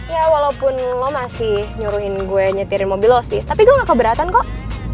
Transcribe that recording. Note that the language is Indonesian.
ya walaupun lo masih nyuruhin gue nyetirin mobil lo sih tapi gue gak keberatan kok